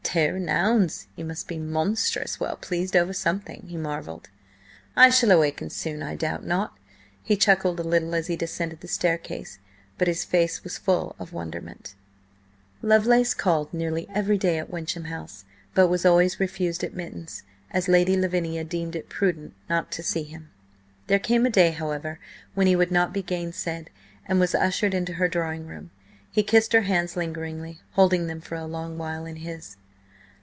"Tare an' ouns! he must be monstrous well pleased over something!" he marvelled. "I shall awaken soon, I doubt not." He chuckled a little as he descended the staircase, but his face was full of wonderment. Lovelace called nearly every day at Wyncham House, but was always refused admittance, as Lady Lavinia deemed it prudent not to see him. There came a day, however, when he would not be gainsaid, and was ushered into her drawing room. He kissed her hands lingeringly, holding them for a long while in his.